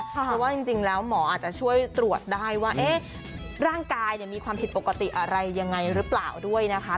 เพราะว่าจริงแล้วหมออาจจะช่วยตรวจได้ว่าร่างกายมีความผิดปกติอะไรยังไงหรือเปล่าด้วยนะคะ